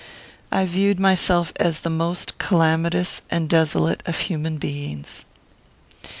I viewed myself as the most calamitous and desolate of human beings.